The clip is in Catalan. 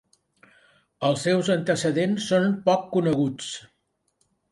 Els seus antecedents són poc coneguts.